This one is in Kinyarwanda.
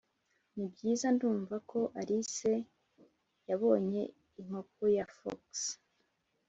nibyiza ndumva ko alice r yabonye inkoko ya foxy